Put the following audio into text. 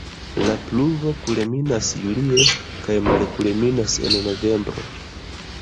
La pluvo kulminas julie kaj malkulminas en novembro.